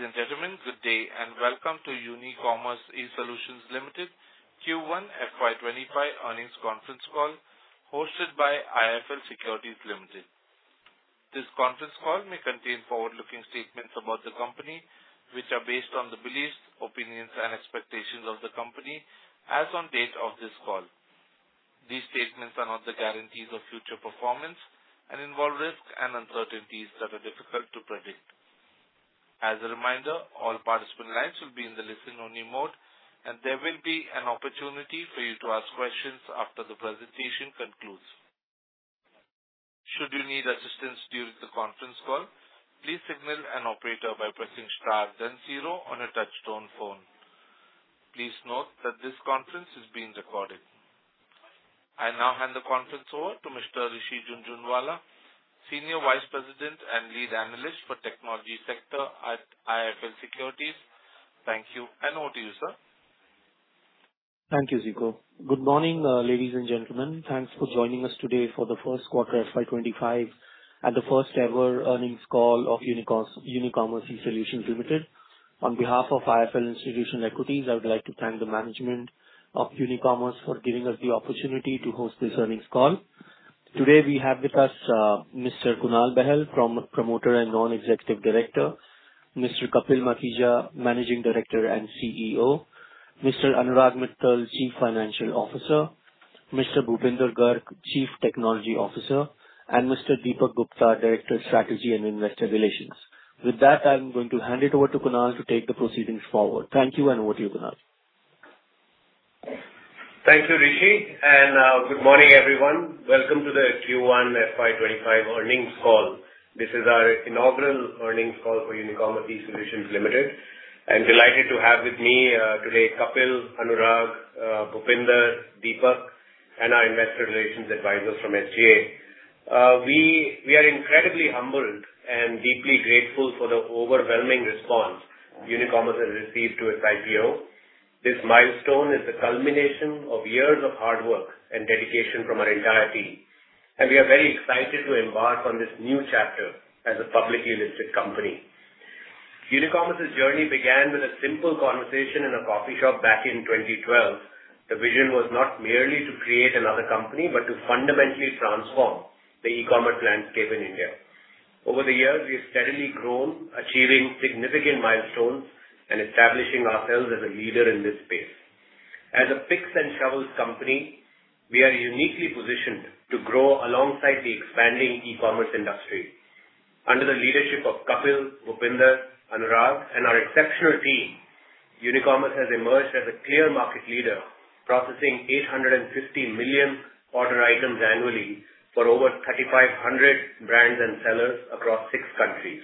Ladies and gentlemen, good day, and welcome to Unicommerce eSolutions Limited Q1 FY 2025 earnings conference call, hosted by IIFL Securities Limited. This conference call may contain forward-looking statements about the company, which are based on the beliefs, opinions, and expectations of the company as on date of this call. These statements are not the guarantees of future performance and involve risks and uncertainties that are difficult to predict. As a reminder, all participant lines will be in the listen-only mode, and there will be an opportunity for you to ask questions after the presentation concludes. Should you need assistance during the conference call, please signal an operator by pressing star then zero on your touchtone phone. Please note that this conference is being recorded. I now hand the conference over to Mr. Rishi Jhunjhunwala, Senior Vice President and Lead Analyst for Technology Sector at IIFL Securities. Thank you, and over to you, sir. Thank you, Zico. Good morning, ladies and gentlemen. Thanks for joining us today for the first quarter FY 2025 and the first-ever earnings call of Unicommerce eSolutions Limited. On behalf of IIFL Institutional Equities, I would like to thank the management of Unicommerce for giving us the opportunity to host this earnings call. Today, we have with us Mr. Kunal Bahl, Promoter and Non-Executive Director, Mr. Kapil Makhija, Managing Director and CEO, Mr. Anurag Mittal, Chief Financial Officer, Mr. Bhupinder Garg, Chief Technology Officer, and Mr. Deepak Gupta, Director of Strategy and Investor Relations. With that, I'm going to hand it over to Kunal to take the proceedings forward. Thank you, and over to you, Kunal. Thank you, Rishi, and good morning, everyone. Welcome to the Q1 FY 2025 Earnings Call. This is our inaugural earnings call for Unicommerce eSolutions Limited. I'm delighted to have with me today Kapil, Anurag, Bhupinder, Deepak, and our investor relations advisors from SGA. We are incredibly humbled and deeply grateful for the overwhelming response Unicommerce has received to its IPO. This milestone is the culmination of years of hard work and dedication from our entire team, and we are very excited to embark on this new chapter as a publicly listed company. Unicommerce's journey began with a simple conversation in a coffee shop back in 2012. The vision was not merely to create another company, but to fundamentally transform the e-commerce landscape in India. Over the years, we have steadily grown, achieving significant milestones and establishing ourselves as a leader in this space. As a picks and shovels company, we are uniquely positioned to grow alongside the expanding e-commerce industry. Under the leadership of Kapil, Bhupinder, Anurag, and our exceptional team, Unicommerce has emerged as a clear market leader, processing 850 million order items annually for over 3500 brands and sellers across six countries.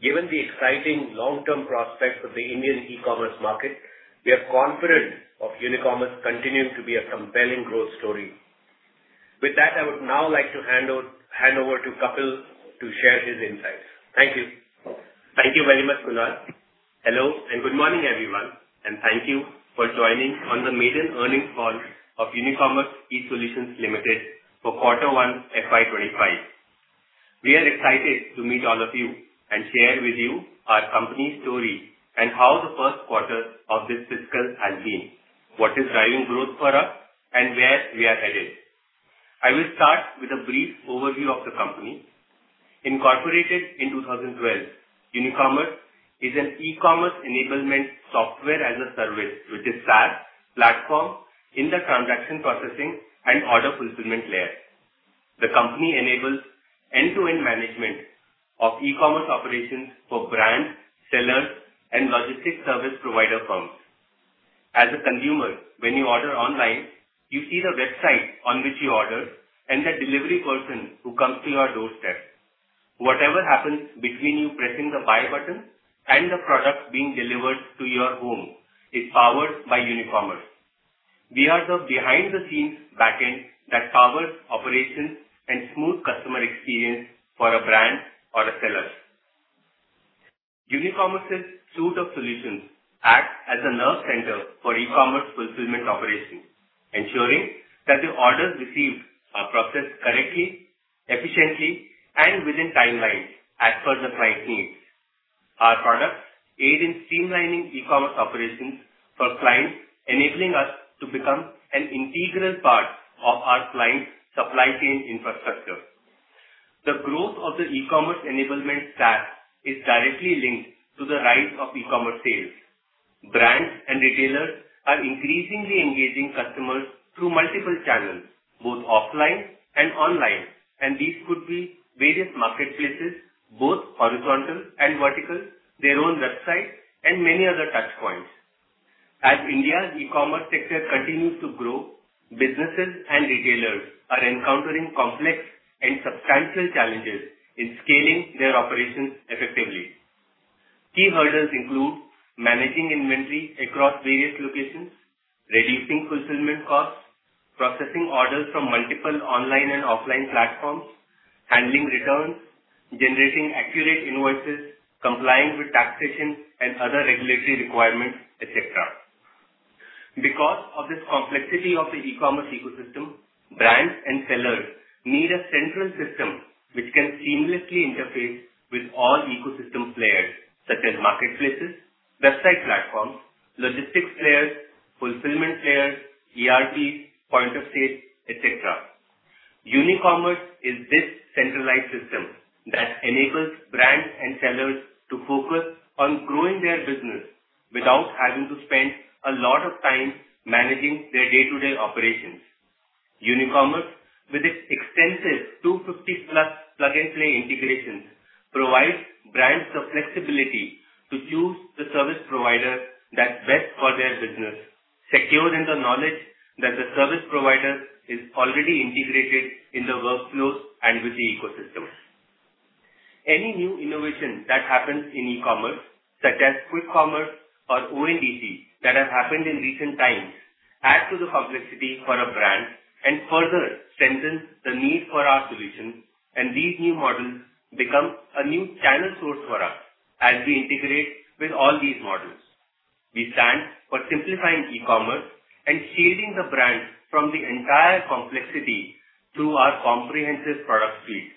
Given the exciting long-term prospects of the Indian e-commerce market, we are confident of Unicommerce continuing to be a compelling growth story. With that, I would now like to hand over to Kapil to share his insights. Thank you. Thank you very much, Kunal. Hello, and good morning, everyone, and thank you for joining on the maiden earnings call of Unicommerce eSolutions Limited for quarter one, FY 2025. We are excited to meet all of you and share with you our company story and how the first quarter of this fiscal has been, what is driving growth for us, and where we are headed. I will start with a brief overview of the company. Incorporated in two thousand and twelve, Unicommerce is an e-commerce enablement software-as-a-service with a SaaS platform in the transaction processing and order fulfillment layer. The company enables end-to-end management of e-commerce operations for brands, sellers, and logistics service provider firms. As a consumer, when you order online, you see the website on which you ordered and the delivery person who comes to your doorstep. Whatever happens between you pressing the Buy button and the product being delivered to your home is powered by Unicommerce. We are the behind-the-scenes backend that powers operations and smooth customer experience for a brand or a seller. Unicommerce's suite of solutions acts as a nerve center for e-commerce fulfillment operations, ensuring that the orders received are processed correctly, efficiently, and within timelines as per the client needs. Our products aid in streamlining e-commerce operations for clients, enabling us to become an integral part of our clients' supply chain infrastructure. The growth of the e-commerce enablement stack is directly linked to the rise of e-commerce sales. Brands and retailers are increasingly engaging customers through multiple channels, both offline and online, and these could be various marketplaces, both horizontal and vertical, their own website, and many other touchpoints. As India's e-commerce sector continues to grow, businesses and retailers are encountering complex and substantial challenges in scaling their operations effectively. Key hurdles include managing inventory across various locations, reducing fulfillment costs, processing orders from multiple online and offline platforms, handling returns, generating accurate invoices, complying with taxation and other regulatory requirements, et cetera. Because of this complexity of the e-commerce ecosystem, brands and sellers need a central system which can seamlessly interface with all ecosystem players, such as marketplaces, website platforms, logistics players, fulfillment players, ERP, point of sale, etc. Unicommerce is this centralized system that enables brands and sellers to focus on growing their business without having to spend a lot of time managing their day-to-day operations. Unicommerce, with its extensive 250+ plug-and-play integrations, provides brands the flexibility to choose the service provider that's best for their business, secure in the knowledge that the service provider is already integrated in the workflows and with the ecosystem. Any new innovation that happens in e-commerce, such as quick commerce or ONDC, that have happened in recent times, add to the complexity for a brand and further strengthen the need for our solutions, and these new models become a new channel source for us as we integrate with all these models. We stand for simplifying e-commerce and shielding the brand from the entire complexity through our comprehensive product suite.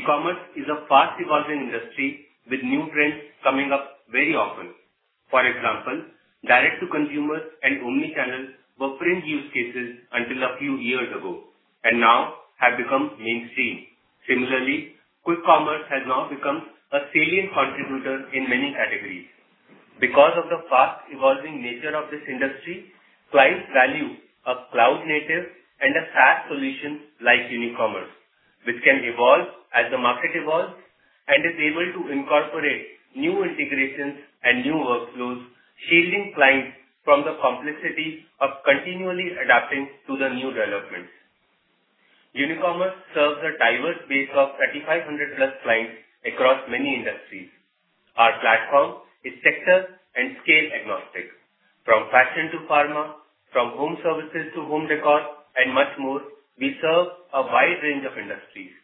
E-commerce is a fast-evolving industry with new trends coming up very often. For example, direct to consumer and omni-channel were fringe use cases until a few years ago and now have become mainstream. Similarly, quick commerce has now become a salient contributor in many categories. Because of the fast evolving nature of this industry, clients value a cloud-native and a SaaS solution like Unicommerce, which can evolve as the market evolves and is able to incorporate new integrations and new workflows, shielding clients from the complexity of continually adapting to the new developments. Unicommerce serves a diverse base of 3,500+ clients across many industries. Our platform is sector and scale agnostic. From fashion to pharma, from home services to home decor, and much more, we serve a wide range of industries,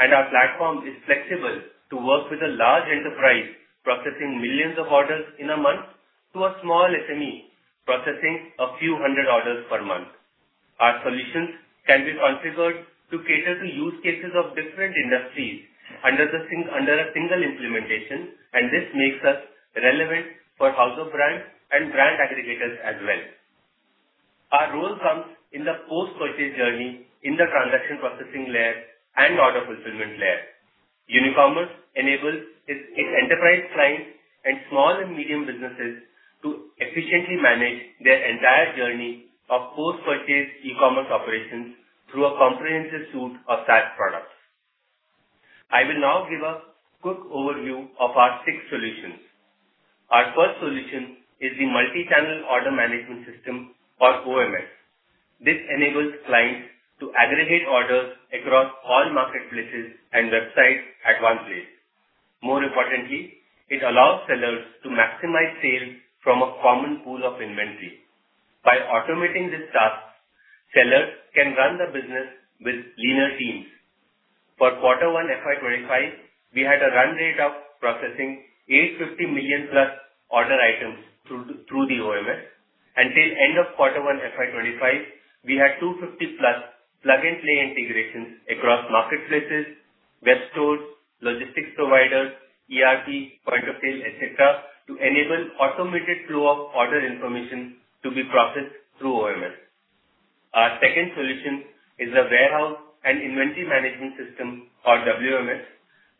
and our platform is flexible to work with a large enterprise, processing millions of orders in a month, to a small SME, processing a few hundred orders per month. Our solutions can be configured to cater to use cases of different industries under a single implementation, and this makes us relevant for house of brands and brand aggregators as well. Our role comes in the post-purchase journey, in the transaction processing layer, and order fulfillment layer. Unicommerce enables its enterprise clients and small and medium businesses to efficiently manage their entire journey of post-purchase e-commerce operations through a comprehensive suite of SaaS products. I will now give a quick overview of our six solutions. Our first solution is the Multi-channel Order Management System or OMS. This enables clients to aggregate orders across all marketplaces and websites at one place. More importantly, it allows sellers to maximize sales from a common pool of inventory. By automating this task, sellers can run the business with leaner teams. For quarter one, FY 2025, we had a run rate of processing 850 million+ order items through the OMS. Until end of quarter one, FY 2025, we had 250 plus plug-and-play integrations across marketplaces, web stores, logistics providers, ERP, point of sale, etc., to enable automated flow of order information to be processed through OMS. Our second solution is a Warehouse and Inventory Management System, or WMS.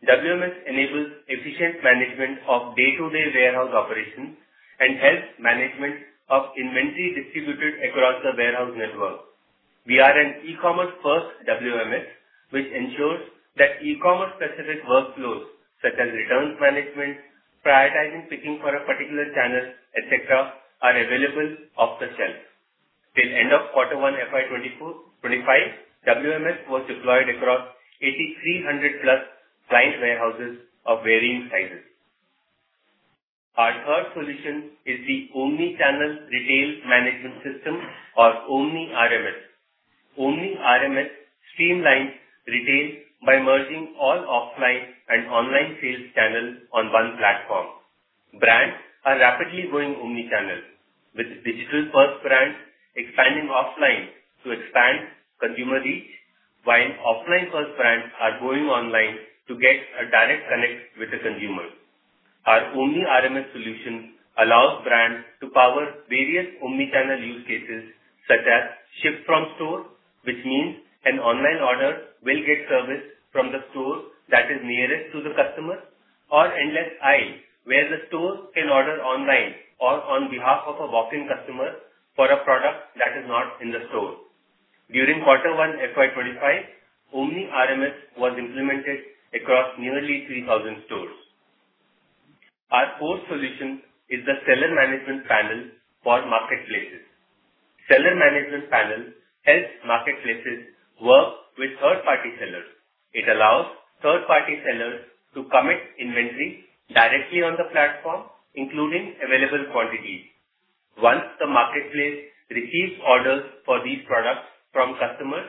WMS enables efficient management of day-to-day warehouse operations and helps management of inventory distributed across the warehouse network. We are an e-commerce first WMS, which ensures that e-commerce specific workflows, such as returns management, prioritizing, picking for a particular channel, etc., are available off the shelf. Till end of quarter one, FY 2024, 2025, WMS was deployed across 8,300+ client warehouses of varying sizes. Our third solution is the Omni-Channel Retail Management System, or Omni RMS. Omni RMS streamlines retail by merging all offline and online sales channels on one platform. Brands are rapidly going omni-channel, with digital-first brands expanding offline to expand consumer reach, while offline-first brands are going online to get a direct connect with the consumer. Our Omni RMS solution allows brands to power various omni-channel use cases, such as ship from store, which means an online order will get serviced from the store that is nearest to the customer, or endless aisle, where the store can order online or on behalf of a walk-in customer for a product that is not in the store. During quarter one, FY 2025, Omni RMS was implemented across nearly three thousand stores. Our fourth solution is the Seller Management Panel for marketplaces. Seller Management Panel helps marketplaces work with third-party sellers. It allows third-party sellers to commit inventory directly on the platform, including available quantities. Once the marketplace receives orders for these products from customers,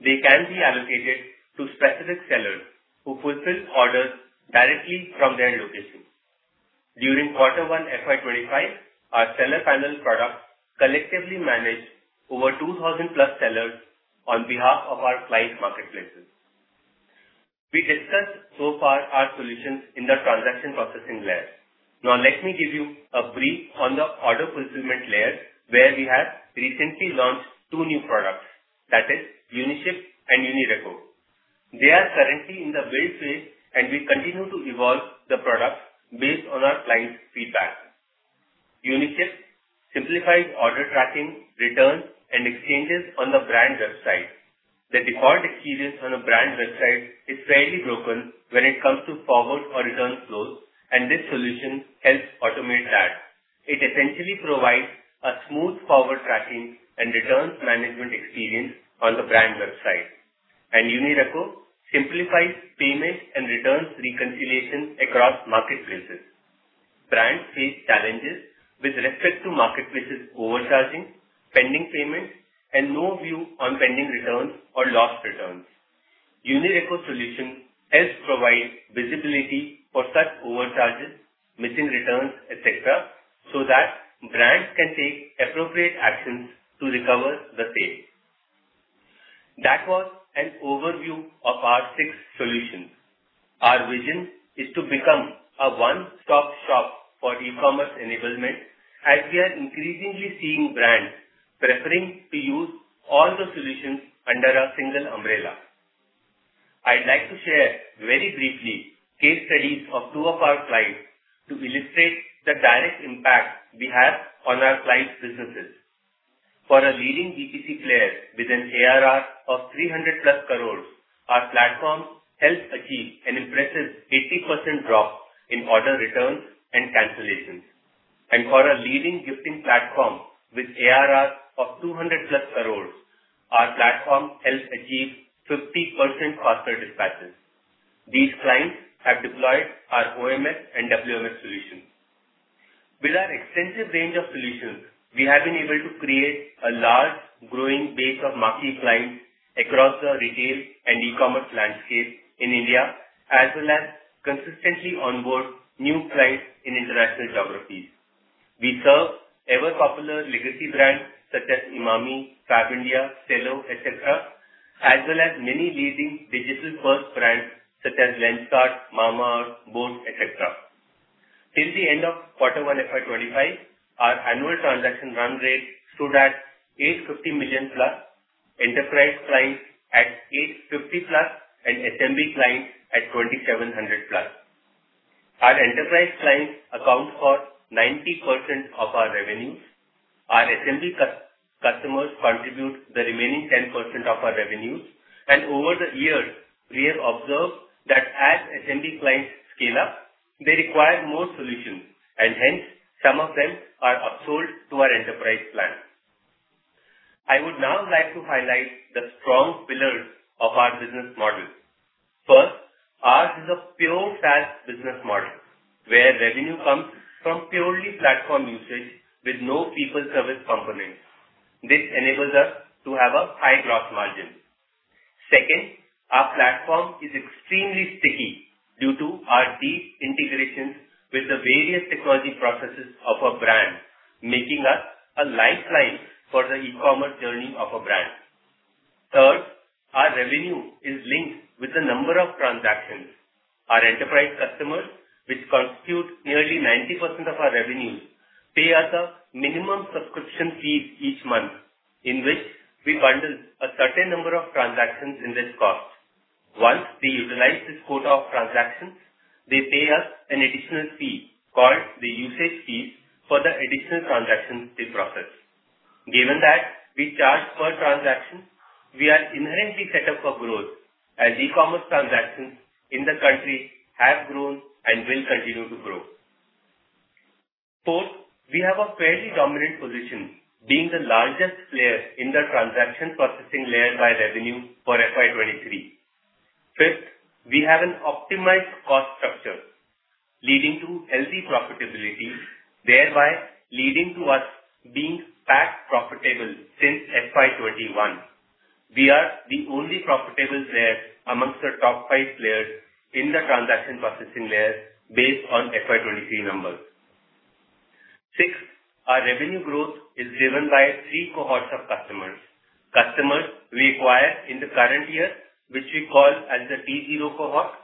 they can be allocated to specific sellers who fulfill orders directly from their location. During quarter one, FY 2025, our seller panel products collectively managed over 2,000+ sellers on behalf of our client marketplaces. We discussed so far our solutions in the transaction processing layer. Now, let me give you a brief on the order fulfillment layer, where we have recently launched two new products, that is, UniShip and UniReco. They are currently in the beta phase, and we continue to evolve the product based on our clients' feedback. UniShip simplifies order tracking, returns, and exchanges on the brand website. The default experience on a brand website is fairly broken when it comes to forward or return flows, and this solution helps automate that. It essentially provides a smooth forward tracking and returns management experience on the brand website. And UniReco simplifies payments and returns reconciliation across marketplaces. Brands face challenges with respect to marketplaces overcharging, pending payments, and no view on pending returns or lost returns. UniReco solution helps provide visibility for such overcharges, missing returns, et cetera, so that brands can take appropriate actions to recover the same. That was an overview of our six solutions. Our vision is to become a one-stop shop for e-commerce enablement, as we are increasingly seeing brands preferring to use all the solutions under a single umbrella. I'd like to share very briefly case studies of two of our clients to illustrate the direct impact we have on our clients' businesses. For a leading B2C player with an ARR of 300+ crores, our platform helps achieve an impressive 80% drop in order returns and cancellations, and for a leading gifting platform with ARR of 200+ crores, our platform helps achieve 50% faster dispatches. These clients have deployed our OMS and WMS solutions. With our extensive range of solutions, we have been able to create a large growing base of marquee clients across the retail and e-commerce landscape in India, as well as consistently onboard new clients in international geographies. We serve ever-popular legacy brands, such as Emami, Fabindia, Cello, et cetera, as well as many leading digital-first brands such as Lenskart, Mamaearth, boAt, et cetera. Till the end of quarter one, FY 2025, our annual transaction run rate stood at 850 million plus, enterprise clients at 850 plus, and SMB clients at 2,700+. Our enterprise clients account for 90% of our revenues. Our SMB customers contribute the remaining 10% of our revenues, and over the years, we have observed that as SMB clients scale up, they require more solutions, and hence, some of them are upsold to our enterprise plan. I would now like to highlight the strong pillars of our business model. First, ours is a pure SaaS business model, where revenue comes from purely platform usage with no people service component. This enables us to have a high gross margin. Second, our platform is extremely sticky due to our deep integrations with the various technology processes of a brand, making us a lifeline for the e-commerce journey of a brand. Third, our revenue is linked with the number of transactions. Our enterprise customers, which constitute nearly 90% of our revenues, pay us a minimum subscription fee each month, in which we bundle a certain number of transactions in this cost. Once they utilize this quota of transactions, they pay us an additional fee called the usage fee, for the additional transactions they process. Given that we charge per transaction, we are inherently set up for growth, as e-commerce transactions in the country have grown and will continue to grow. Fourth, we have a fairly dominant position, being the largest player in the transaction processing layer by revenue for FY 2023. Fifth, we have an optimized cost structure leading to healthy profitability, thereby leading to us being back profitable since FY 2021. We are the only profitable player amongst the top five players in the transaction processing layer based on FY 2023 numbers. Sixth, our revenue growth is driven by three cohorts of customers. Customers we acquire in the current year, which we call as the T-zero cohort.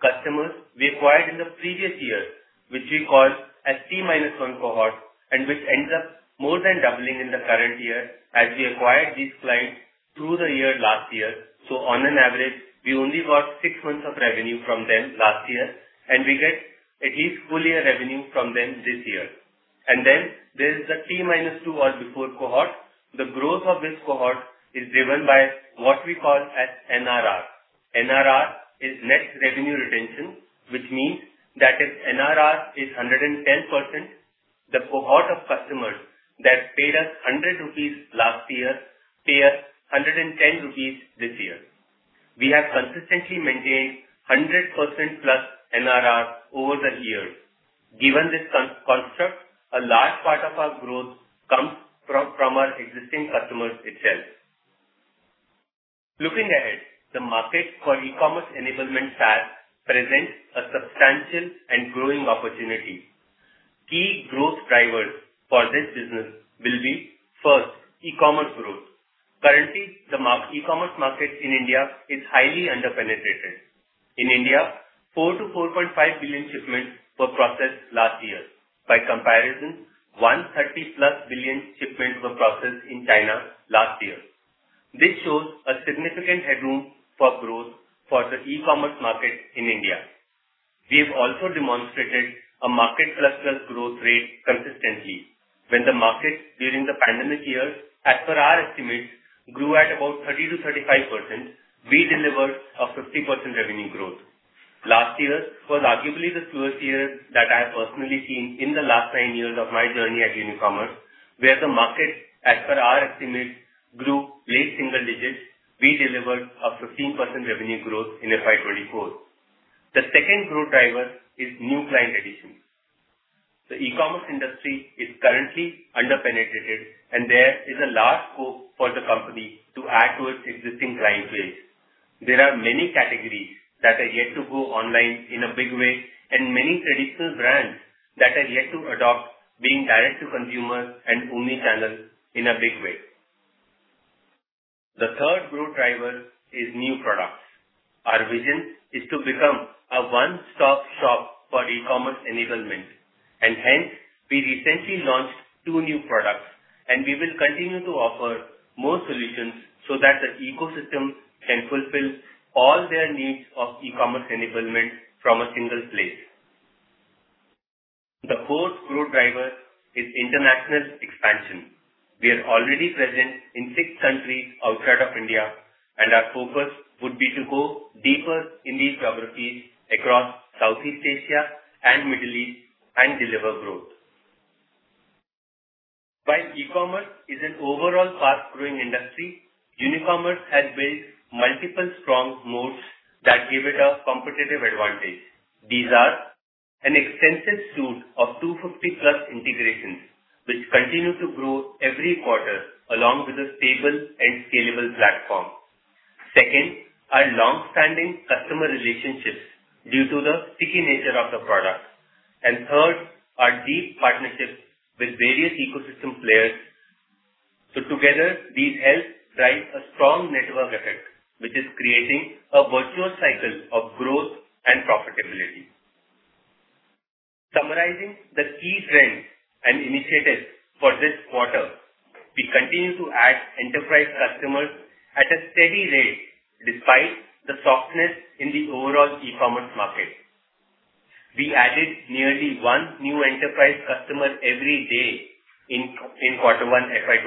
Customers we acquired in the previous year, which we call as T-minus-one cohort, and which ends up more than doubling in the current year as we acquired these clients through the year, last year, so on an average, we only got six months of revenue from them last year, and we get at least full year revenue from them this year. And then there is the T-minus-two or before cohort. The growth of this cohort is driven by what we call as NRR. NRR is net revenue retention, which means that if NRR is 110%, the cohort of customers that paid us 100 rupees last year pay us 110 rupees this year. We have consistently maintained 100%+ NRR over the years. Given this construct, a large part of our growth comes from our existing customers itself. Looking ahead, the market for e-commerce enablement SaaS presents a substantial and growing opportunity. Key growth drivers for this business will be, first, e-commerce growth. Currently, the e-commerce market in India is highly under-penetrated. In India, 4-4.5 billion shipments were processed last year. By comparison, 130+ billion shipments were processed in China last year. This shows a significant headroom for growth for the e-commerce market in India. We have also demonstrated a market plus-plus growth rate consistently. When the market, during the pandemic years, as per our estimates, grew at about 30-35%, we delivered a 50% revenue growth. Last year was arguably the slowest year that I have personally seen in the last nine years of my journey at Unicommerce, where the market, as per our estimates, grew late single digits. We delivered a 15% revenue growth in FY 2024. The second growth driver is new client additions. The e-commerce industry is currently under-penetrated, and there is a large scope for the company to add to its existing client base. There are many categories that are yet to go online in a big way and many traditional brands that are yet to adopt being direct to consumer and omni-channel in a big way. The third growth driver is new products. Our vision is to become a one-stop shop for e-commerce enablement, and hence, we recently launched two new products, and we will continue to offer more solutions so that the ecosystem can fulfill all their needs of e-commerce enablement from a single place. The fourth growth driver is international expansion. We are already present in six countries outside of India, and our focus would be to go deeper in these geographies across Southeast Asia and Middle East and deliver growth. While e-commerce is an overall fast-growing industry, Unicommerce has built multiple strong moats that give it a competitive advantage. These are an extensive suite of 250+ integrations, which continue to grow every quarter, along with a stable and scalable platform. Second, our long-standing customer relationships due to the sticky nature of the product. And third, our deep partnerships with various ecosystem players. So together, these help drive a strong network effect, which is creating a virtuous cycle of growth and profitability. Summarizing the key trends and initiatives for this quarter, we continue to add enterprise customers at a steady rate despite the softness in the overall e-commerce market. We added nearly one new enterprise customer every day in quarter one, FY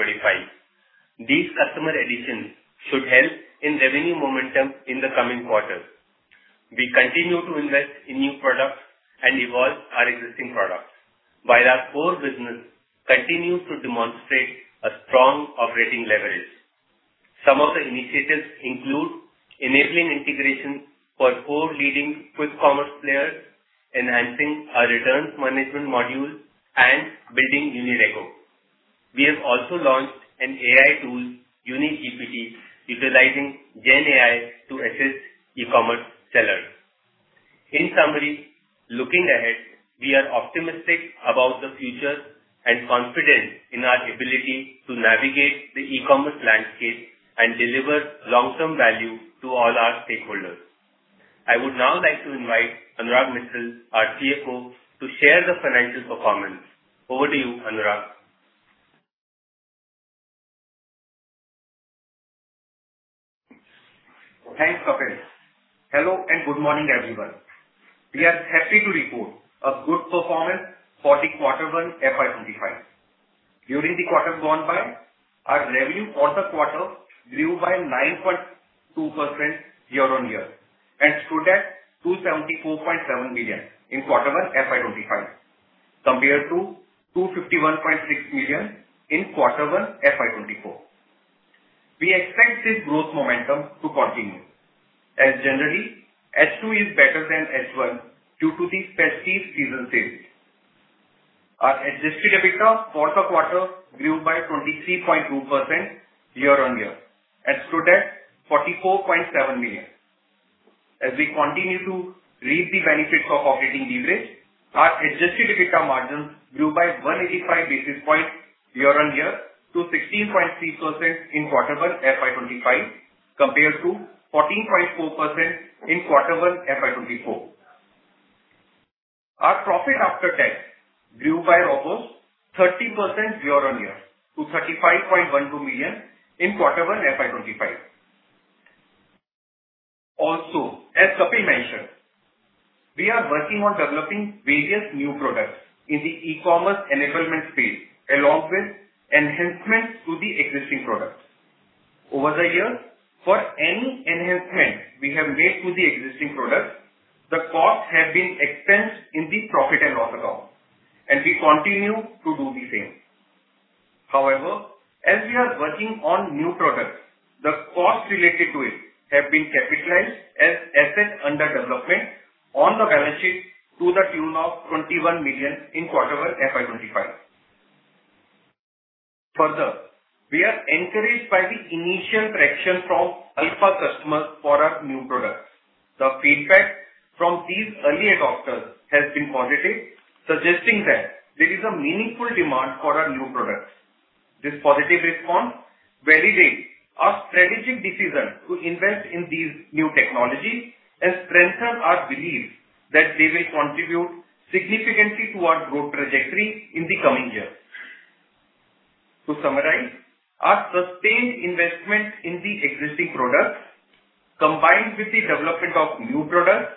2025. These customer additions should help in revenue momentum in the coming quarters. We continue to invest in new products and evolve our existing products, while our core business continues to demonstrate a strong operating leverage. Some of the initiatives include enabling integration for four leading quick commerce players, enhancing our returns management module, and building UniReco. We have also launched an AI tool, UniGPT, utilizing GenAI to assist e-commerce sellers. In summary, looking ahead, we are optimistic about the future and confident in our ability to navigate the e-commerce landscape and deliver long-term value to all our stakeholders. I would now like to invite Anurag Mittal, our CFO, to share the financial performance. Over to you, Anurag. Thanks, Kapil. Hello, and good morning, everyone. We are happy to report a good performance for the quarter one, FY 2025. During the quarter gone by, our revenue for the quarter grew by 9.2% year-on-year and stood at 274.7 million in quarter one, FY 2025, compared to 251.6 million in quarter one, FY 2024. We expect this growth momentum to continue, as generally, H2 is better than H1 due to the festive season sales. Our adjusted EBITDA for the quarter grew by 23.2% year-on-year and stood at 44.7 million. As we continue to reap the benefits of operating leverage, our adjusted EBITDA margins grew by 185 basis points year-on-year to 16.3% in quarter one, FY 2025, compared to 14.4% in quarter one, FY 2024. Our profit after tax grew by almost 30% year-on-year to INR 35.12 million in quarter one, FY 2025. Also, as Kapil mentioned, we are working on developing various new products in the e-commerce enablement space, along with enhancements to the existing products. Over the years, for any enhancement we have made to the existing products, the costs have been expensed in the profit and loss account, and we continue to do the same. However, as we are working on new products, the costs related to it have been capitalized as assets under development on the balance sheet to the tune of 21 million in quarter one, FY 2025. Further, we are encouraged by the initial traction from alpha customers for our new products. The feedback from these early adopters has been positive, suggesting that there is a meaningful demand for our new products. This positive response validates our strategic decision to invest in these new technologies and strengthen our belief that they will contribute significantly to our growth trajectory in the coming years. To summarize, our sustained investment in the existing products, combined with the development of new products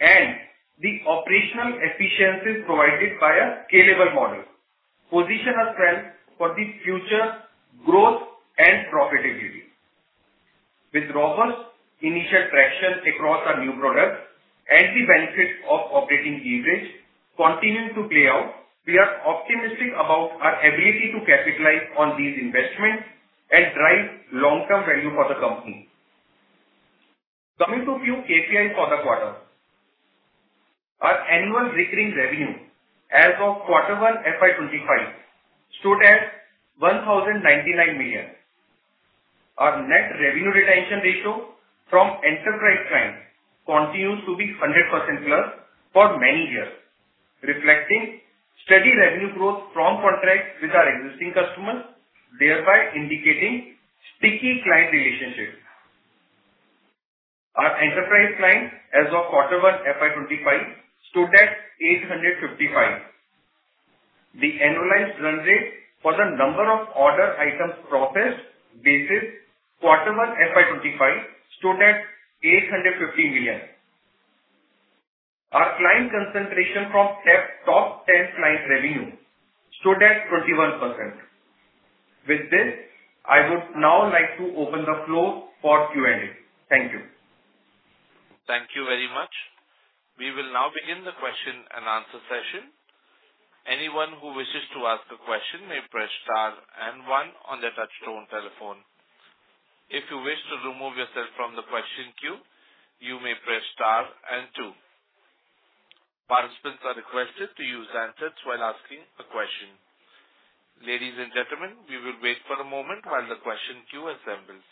and the operational efficiencies provided by a scalable model, position us well for the future growth and profitability. With robust initial traction across our new products and the benefits of operating leverage continuing to play out, we are optimistic about our ability to capitalize on these investments and drive long-term value for the company. Coming to few KPIs for the quarter. Our annual recurring revenue as of quarter one, FY 2025, stood at 1,099 million. Our net revenue retention ratio from enterprise clients continues to be 100%+ for many years, reflecting steady revenue growth from contracts with our existing customers, thereby indicating sticky client relationships. Our enterprise clients as of quarter one, FY 2025, stood at 855. The annualized run rate for the number of order items processed basis quarter one, FY 2025, stood at 850 million. Our client concentration from top ten client revenue stood at 21%. With this, I would now like to open the floor for Q&A. Thank you. Thank you very much. We will now begin the question and answer session. Anyone who wishes to ask a question may press star and one on their touchtone telephone. If you wish to remove yourself from the question queue, you may press star and two. Participants are requested to use handsets when asking a question. Ladies and gentlemen, we will wait for a moment while the question queue assembles.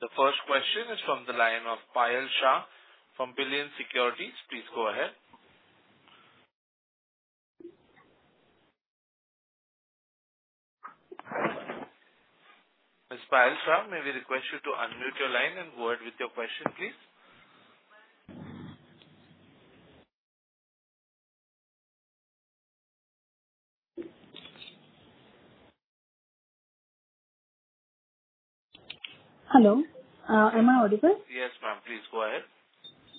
The first question is from the line of Payal Shah from Billion Securities. Please go ahead. Ms. Payal Shah, may we request you to unmute your line and go ahead with your question, please? Hello, am I audible? Yes, ma'am. Please go ahead.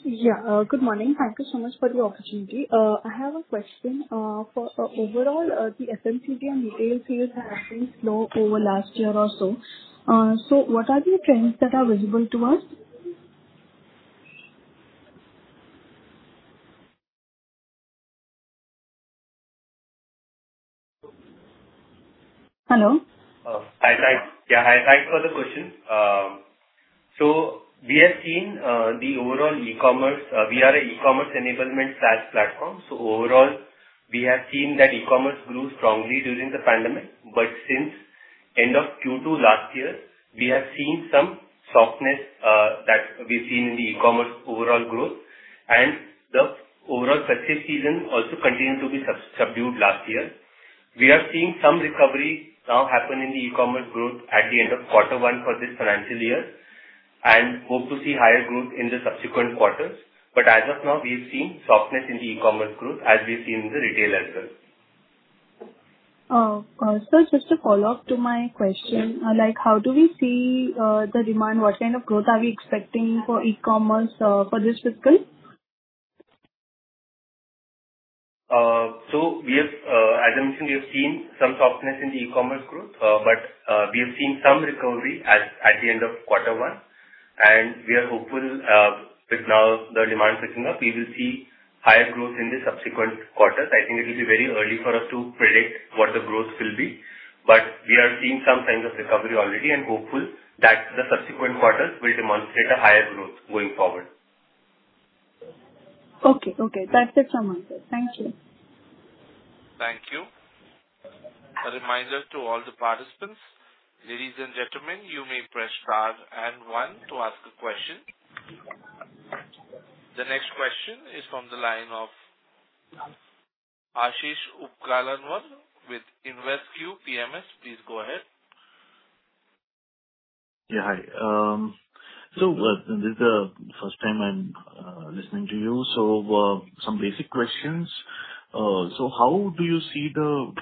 Yeah. Good morning. Thank you so much for the opportunity. I have a question. For overall, the FMCG and retail sales have been slow over last year or so. So what are the trends that are visible to us? Hello? Thank you for the question. We have seen the overall e-commerce. We are an e-commerce enablement SaaS platform. Overall, we have seen that e-commerce grew strongly during the pandemic, but since the end of Q2 last year, we have seen some softness that we've seen in the e-commerce overall growth, and the overall purchase season also continued to be subdued last year. We are seeing some recovery now happen in the e-commerce growth at the end of quarter one for this financial year, and hope to see higher growth in the subsequent quarters, but as of now, we've seen softness in the e-commerce growth as we've seen in the retail as well. Sir, just a follow-up to my question. Like, how do we see the demand? What kind of growth are we expecting for e-commerce for this fiscal? So we have, as I mentioned, we have seen some softness in the e-commerce growth, but we have seen some recovery at the end of quarter one, and we are hopeful, with now the demand picking up, we will see higher growth in the subsequent quarters. I think it'll be very early for us to predict what the growth will be, but we are seeing some signs of recovery already and hopeful that the subsequent quarters will demonstrate a higher growth going forward. Okay. Okay, that's it from me, sir. Thank you. Thank you. A reminder to all the participants, ladies and gentlemen, you may press star and one to ask a question. The next question is from the line of Aashish Upganlawar with InvesQ PMS. Please go ahead. Yeah, hi. So, this is the first time I'm listening to you, so some basic questions. So how do you see the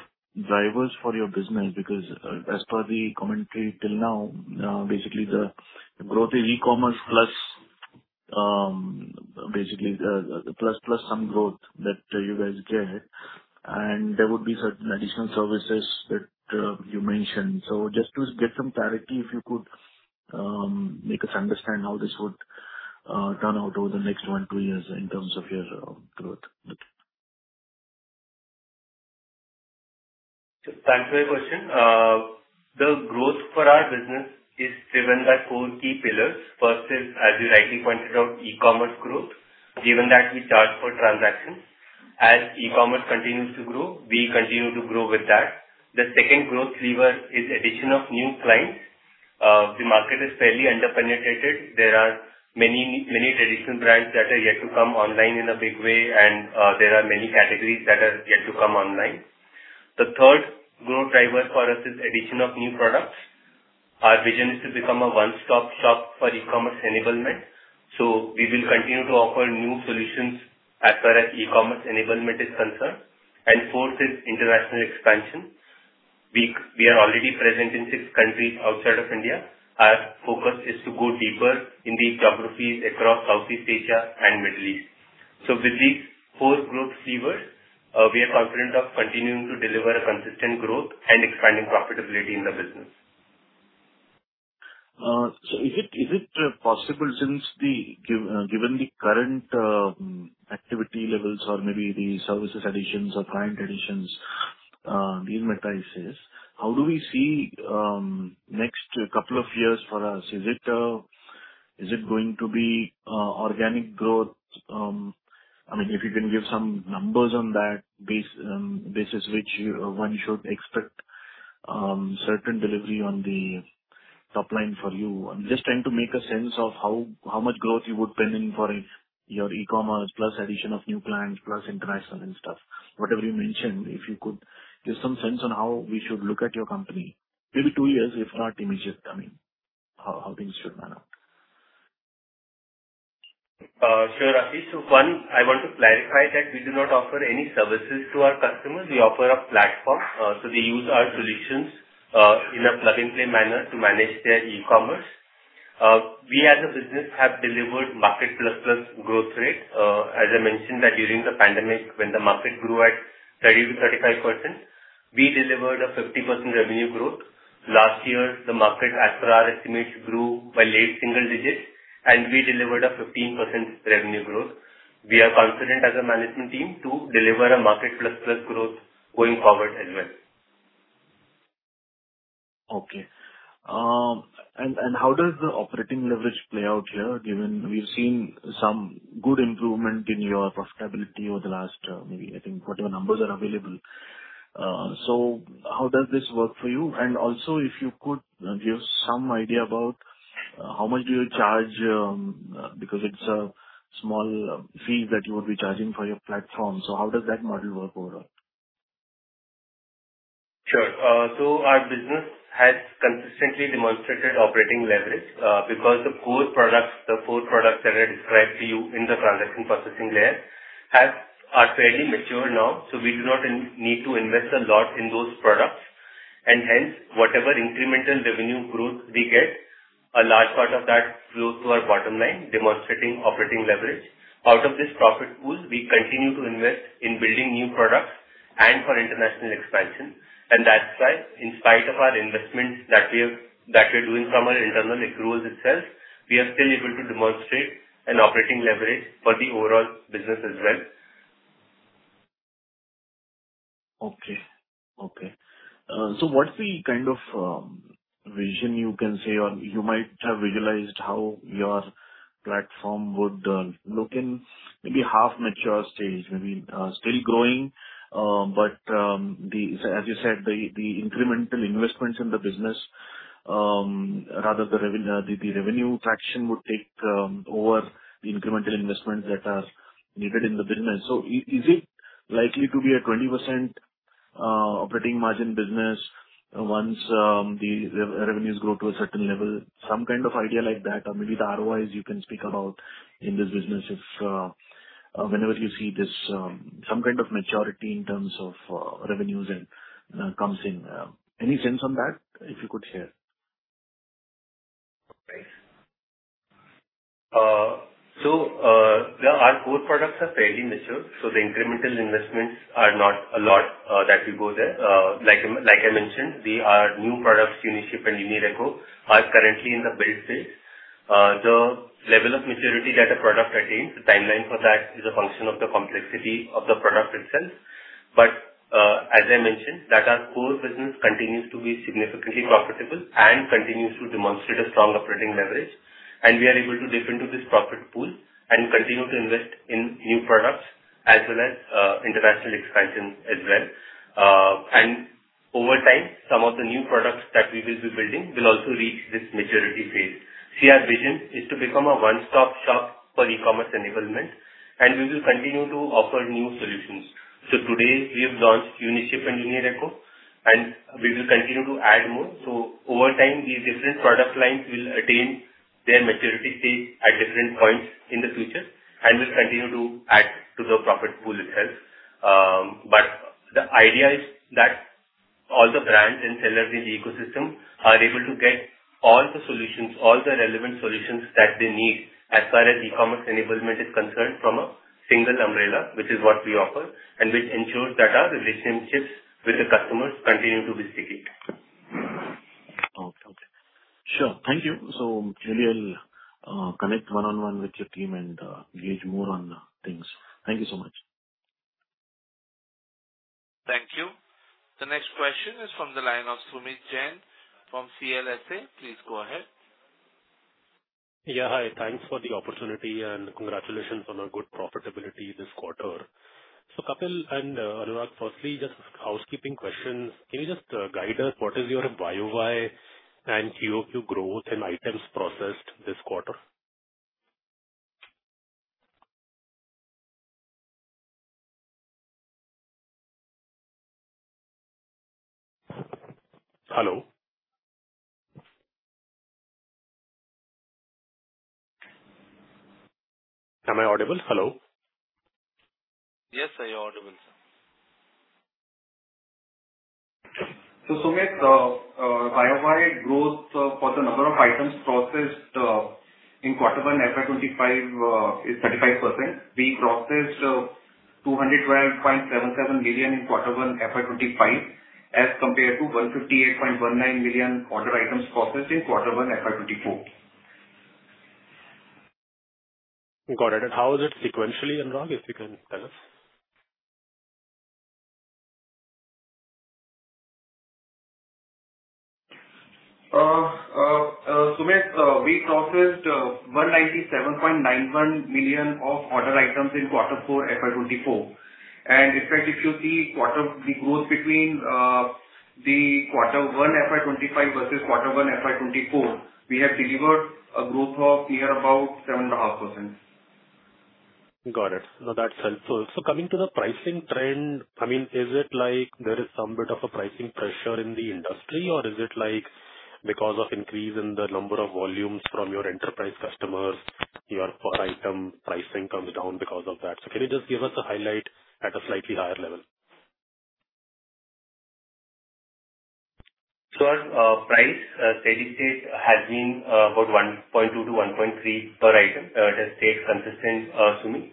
drivers for your business? Because, as per the commentary till now, basically the growth in e-commerce plus, basically the plus, plus some growth that you guys get, and there would be certain additional services that you mentioned. So just to get some clarity, if you could make us understand how this would turn out over the next one, two years in terms of your growth. Thanks for your question. The growth for our business is driven by four key pillars. First is, as you rightly pointed out, e-commerce growth, given that we charge per transaction. As e-commerce continues to grow, we continue to grow with that. The second growth driver is addition of new clients. The market is fairly under-penetrated. There are many, many traditional brands that are yet to come online in a big way, and there are many categories that are yet to come online. The third growth driver for us is addition of new products. Our vision is to become a one-stop shop for e-commerce enablement, so we will continue to offer new solutions as far as e-commerce enablement is concerned. And fourth is international expansion. We are already present in six countries outside of India. Our focus is to go deeper in the geographies across Southeast Asia and Middle East. So with these four growth drivers, we are confident of continuing to deliver a consistent growth and expanding profitability in the business. So is it possible, given the current activity levels or maybe the services additions or client additions, these metrics, how do we see the next couple of years for us? Is it going to be organic growth? I mean, if you can give some numbers on that basis which one should expect certain delivery on the top line for you. I'm just trying to make a sense of how much growth you would bring in for your e-commerce plus addition of new clients, plus international and stuff. Whatever you mentioned, if you could give some sense on how we should look at your company, maybe two years, if not immediate coming, how things should pan out. Sure, Ashish. So, one, I want to clarify that we do not offer any services to our customers. We offer a platform, so they use our solutions in a plug-and-play manner to manage their e-commerce. We as a business have delivered market plus plus growth rate. As I mentioned that during the pandemic, when the market grew at 30-35%, we delivered a 50% revenue growth. Last year, the market, as per our estimates, grew by late single digits, and we delivered a 15% revenue growth. We are confident as a management team to deliver a market plus, plus growth going forward as well. Okay. And how does the operating leverage play out here, given we've seen some good improvement in your profitability over the last, maybe, I think, whatever numbers are available. So how does this work for you? And also, if you could give some idea about how much do you charge, because it's a small fee that you would be charging for your platform. So how does that model work overall? Sure. So our business has consistently demonstrated operating leverage, because the core products that I described to you in the transaction processing layer are fairly mature now, so we do not need to invest a lot in those products. And hence, whatever incremental revenue growth we get, a large part of that flow to our bottom line, demonstrating operating leverage. Out of this profit pool, we continue to invest in building new products and for international expansion, and that's why, in spite of our investments that we have, that we're doing from our internal accruals itself, we are still able to demonstrate an operating leverage for the overall business as well. Okay, okay. So what's the kind of vision you can say, or you might have visualized how your platform would look in maybe half mature stage, maybe still growing, but the. As you said, the incremental investments in the business rather the revenue fraction would take over the incremental investments that are needed in the business. So is it likely to be a 20% operating margin business once the revenues grow to a certain level? Some kind of idea like that, or maybe the ROIs you can speak about in this business if whenever you see this some kind of maturity in terms of revenues and comes in. Any sense on that, if you could share? Okay. So, yeah, our core products are fairly mature, so the incremental investments are not a lot that we go there. Like I mentioned, they are new products, UniShip and UniReco, are currently in the build stage. The level of maturity that a product attains, the timeline for that, is a function of the complexity of the product itself. But, as I mentioned, that our core business continues to be significantly profitable and continues to demonstrate a strong operating leverage, and we are able to dip into this profit pool and continue to invest in new products, as well as, international expansion as well. And over time, some of the new products that we will be building will also reach this maturity phase. See, our vision is to become a one-stop shop for e-commerce enablement, and we will continue to offer new solutions. So today we have launched UniShip and UniReco, and we will continue to add more. So over time, these different product lines will attain their maturity stage at different points in the future and will continue to add to the profit pool itself. But the idea is that all the brands and sellers in the ecosystem are able to get all the solutions, all the relevant solutions that they need as far as e-commerce enablement is concerned, from a single umbrella, which is what we offer, and which ensures that our relationships with the customers continue to be sticky. Okay. Sure. Thank you. So maybe I'll connect one-on-one with your team and gauge more on things. Thank you so much. Thank you. The next question is from the line of Sumeet Jain from CLSA. Please go ahead. Yeah, hi. Thanks for the opportunity and congratulations on a good profitability this quarter. So Kapil and Anurag, firstly, just housekeeping questions. Can you just guide us what is your YOY and QOQ growth in items processed this quarter? Hello? Am I audible? Hello. Yes, sir, you're audible, sir. So, Sumeet, YOY growth for the number of items processed in quarter one, FY 2025, is 35%. We processed 212.77 million in quarter one, FY 2025, as compared to 158.19 million order items processed in quarter one, FY 2024. Got it. And how is it sequentially, Anurag, if you can tell us? Sumeet, we processed 197.91 million of order items in quarter four, FY 2024. And in fact, if you see quarter. The growth between the quarter one, FY 2025, versus quarter one, FY 2024, we have delivered a growth of near about 7.5%. Got it. No, that's helpful. So coming to the pricing trend, I mean, is it like there is some bit of a pricing pressure in the industry, or is it like because of increase in the number of volumes from your enterprise customers, your per item pricing comes down because of that? So can you just give us a highlight at a slightly higher level? So our price steady state has been about 1.2-1.3 per item. It has stayed consistent, Sumeet.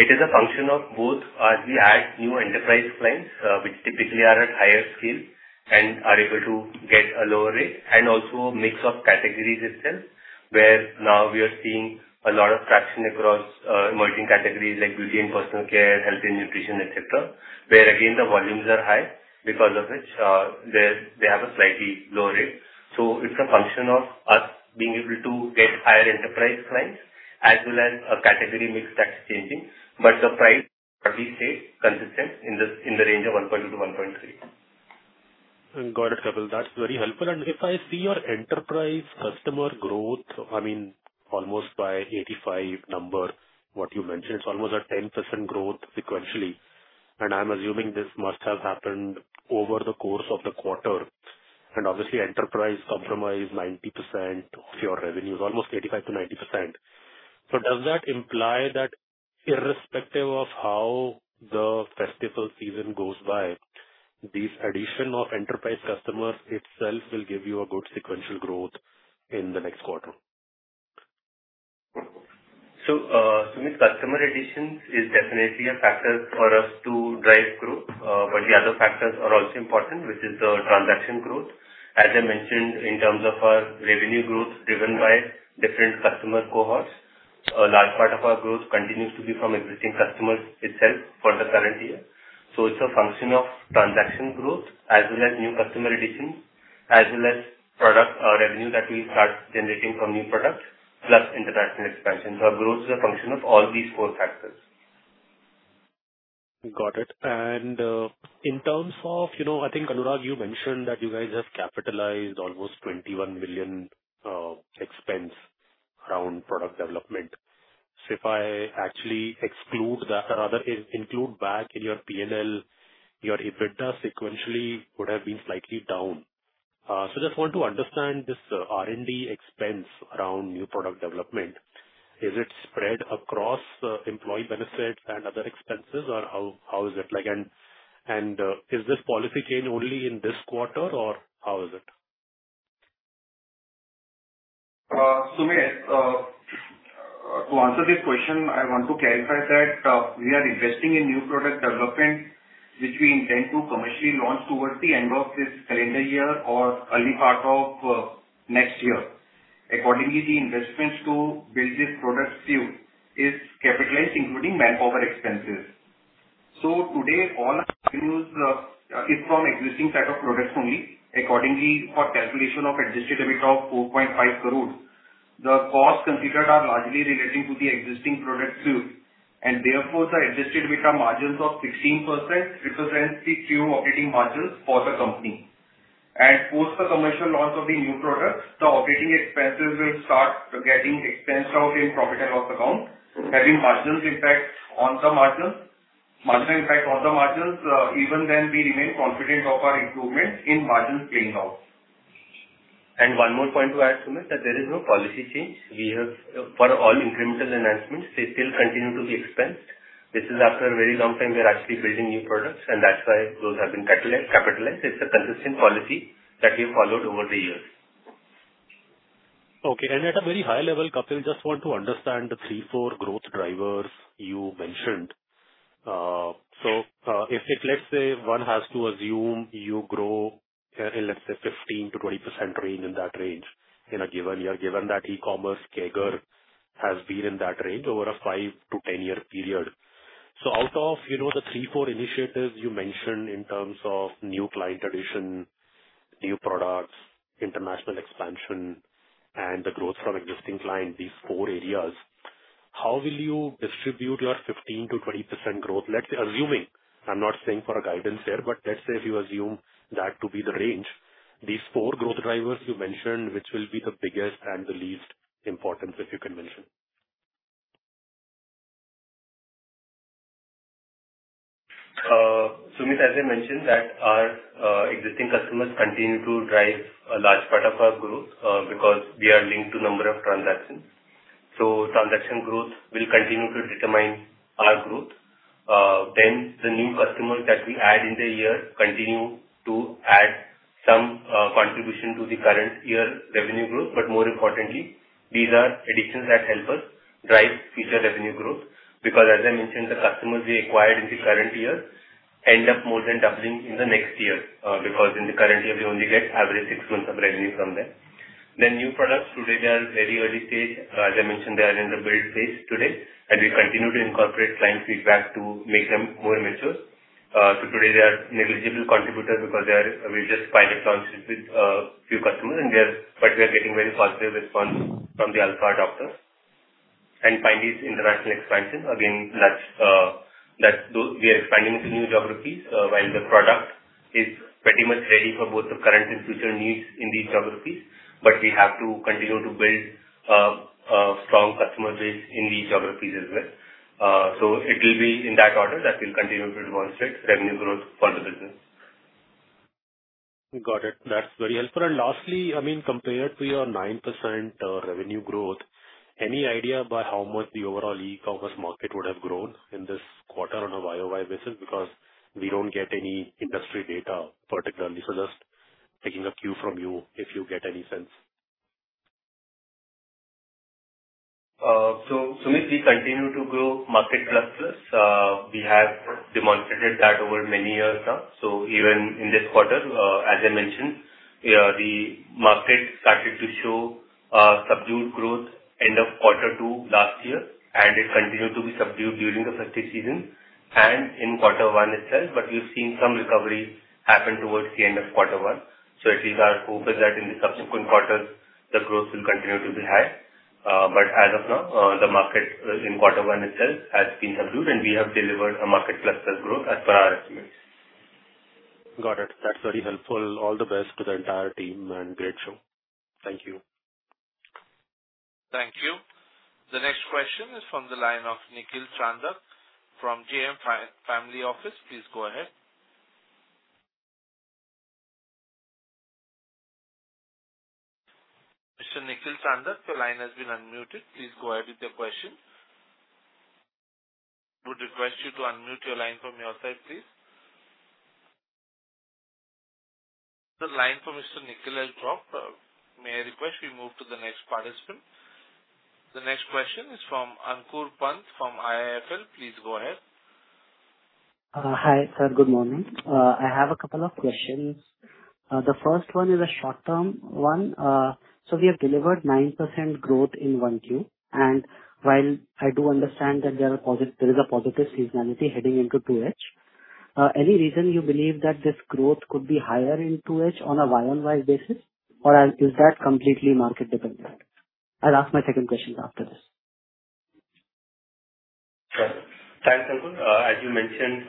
It is a function of both as we add new enterprise clients, which typically are at higher scale and are able to get a lower rate, and also a mix of categories itself, where now we are seeing a lot of traction across emerging categories like beauty and personal care, health and nutrition, et cetera. Where again, the volumes are high because of which they have a slightly lower rate. So it's a function of us being able to get higher enterprise clients as well as a category mix that's changing, but the price already stayed consistent in the range of 1.2-1.3. Got it, Kapil. That's very helpful. If I see your enterprise customer growth, I mean, almost by 85 number, what you mentioned, it's almost a 10% growth sequentially, and I'm assuming this must have happened over the course of the quarter. And obviously, enterprises comprise 90% of your revenue, [which] is almost 85% to 90%. Does that imply that irrespective of how the festival season goes by, this addition of enterprise customers itself will give you a good sequential growth in the next quarter? So, Sumeet, customer addition is definitely a factor for us to drive growth, but the other factors are also important, which is the transaction growth. As I mentioned, in terms of our revenue growth driven by different customer cohorts, a large part of our growth continues to be from existing customers itself for the current year. So it's a function of transaction growth as well as new customer additions, as well as product revenue that we start generating from new products, plus international expansion. So our growth is a function of all these core factors. Got it. And, in terms of, you know, I think, Anurag, you mentioned that you guys have capitalized almost 21 million expense around product development. So if I actually exclude that or rather include back in your PNL, your EBITDA sequentially would have been slightly down. So just want to understand this, R&D expense around new product development. Is it spread across, employee benefits and other expenses, or how is it like? And, is this policy change only in this quarter, or how is it? Sumeet, to answer this question, I want to clarify that we are investing in new product development, which we intend to commercially launch towards the end of this calendar year or early part of next year. Accordingly, the investments to build this product suite is capitalized, including manpower expenses. Today, all our revenues is from existing set of products only. Accordingly, for calculation of adjusted EBITDA of 4.5 crore, the costs considered are largely relating to the existing product suite. And therefore, the adjusted EBITDA margins of 16% represents the Q operating margins for the company. And post the commercial launch of the new products, the operating expenses will start getting expensed out in profit and loss account, having margins impact on the margins, marginal impact on the margins. Even then, we remain confident of our improvement in margins playing out. And one more point to add, Sumeet, that there is no policy change. We have, for all incremental enhancements, they still continue to be expensed. This is after a very long time, we are actually building new products, and that's why those have been capitalized. It's a consistent policy that we've followed over the years. Okay, and at a very high level, Kapil, just want to understand the three, four growth drivers you mentioned. So, let's say one has to assume you grow in, let's say, 15%-20% range in that range in a given year, given that e-commerce CAGR has been in that range over a five to 10-year period. So out of, you know, the three, four initiatives you mentioned in terms of new client addition, new products, international expansion, and the growth from existing clients, these four areas, how will you distribute your 15%-20% growth? Let's say, assuming, I'm not saying for a guidance here, but let's say if you assume that to be the range, these four growth drivers you mentioned, which will be the biggest and the least important, if you can mention? Sumeet, as I mentioned, that our existing customers continue to drive a large part of our growth because we are linked to number of transactions. So transaction growth will continue to determine our growth. The new customers that we add in the year continue to add some contribution to the current year revenue growth. But more importantly, these are additions that help us drive future revenue growth, because as I mentioned, the customers we acquired in the current year end up more than doubling in the next year because in the current year, we only get average six months of revenue from them. New products, today, they are very early stage. As I mentioned, they are in the build phase today, and we continue to incorporate client feedback to make them more mature. So today they are negligible contributors because we just pilot launched with few customers, and they are, but we are getting very positive response from the alpha customers. And finally, it's international expansion. Again, that's those, we are expanding into new geographies while the product is pretty much ready for both the current and future needs in these geographies, but we have to continue to build a strong customer base in these geographies as well. So it will be in that order that we'll continue to demonstrate revenue growth for the business. Got it. That's very helpful. And lastly, I mean, compared to your 9% revenue growth, any idea about how much the overall e-commerce market would have grown in this quarter on a YOY basis? Because we don't get any industry data particularly. So just taking a cue from you, if you get any sense. So, Sumeet, we continue to grow market plus, plus. We have demonstrated that over many years now. So even in this quarter, as I mentioned, the market started to show subdued growth end of quarter two last year, and it continued to be subdued during the festive season and in quarter one itself. But we've seen some recovery happen towards the end of quarter one. So at least our hope is that in the subsequent quarters, the growth will continue to be high. But as of now, the market in quarter one itself has been subdued, and we have delivered a market plus, plus growth as per our estimates. Got it. That's very helpful. All the best to the entire team, and great show. Thank you. Thank you. The next question is from the line of Nikhil Tandon from JM Financial Family Office. Please go ahead. Mr. Nikhil Tandon, your line has been unmuted. Please go ahead with your question. Would request you to unmute your line from your side, please. The line for Mr. Nikhil has dropped. May I request we move to the next participant? The next question is from Ankur Pant from IIFL. Please go ahead. Hi, sir. Good morning. I have a couple of questions. The first one is a short-term one. So we have delivered 9% growth in 1Q, and while I do understand that there is a positive seasonality heading into 2H, any reason you believe that this growth could be higher in 2H on a YOY basis, or is that completely market dependent? I'll ask my second question after this. Sure. Thanks, Ankur. As you mentioned,